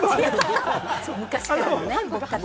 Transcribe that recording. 昔からのね。